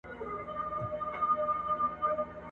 نه د بل پر حیثیت وي نه د خپلو ..